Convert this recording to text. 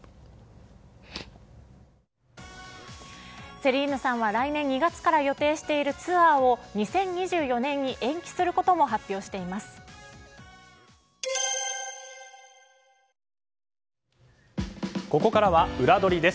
セリーヌさんは来月２日から予定しているツアーを２０２４年に延期することも発表しています。